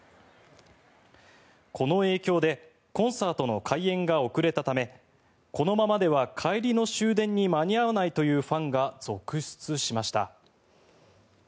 この影響でコンサートの開演が遅れたためこのままでは帰りの終電に間に合わないというファンが続出しました。